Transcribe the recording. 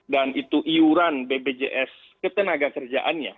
dan itu iuran bpjs ketenagakerjaannya